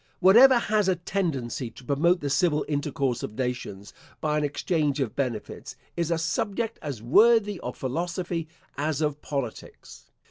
Whatever has a tendency to promote the civil intercourse of nations by an exchange of benefits, is a subject as worthy of philosophy as of politics.